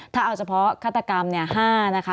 ถ้าเอาเฉพาะฆาตกรรม๕นะคะ